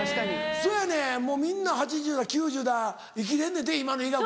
そやねんもうみんな８０歳だ９０歳だ生きれんねんて今の医学では。